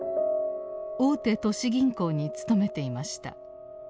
大手都市銀行に勤めていました。